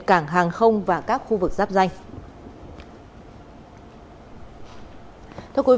cảng hàng không và các khu vực giáp danh